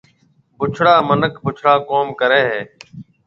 بُڇڙا مِنک بُڇڙا ڪوم ڪريَ هيَ۔